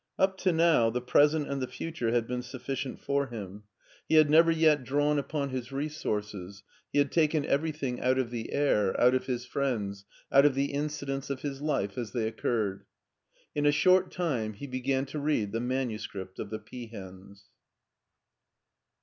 Up to now the present and the future had been sufficient for him. He 254 MARTIN SCHtJLER had never yet drawn upon his resources : he had taken everything out of the air, out of his friends, out of the incidents of his life as they occurred. In a short time he began to read the manuscript of the peahens.